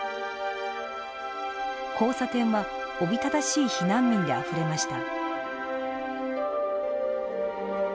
交差点はおびただしい避難民であふれました。